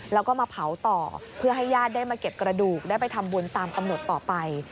แล้วก็มาเผาต่อเพื่อให้ญาติได้มาเก็บกระดูกได้ไปทำบุญตามกำหนดต่อไป